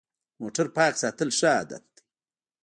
موټر پاک ساتل ښه عادت دی.